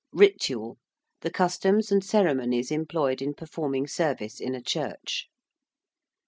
~ritual~: the customs and ceremonies employed in performing service in a church.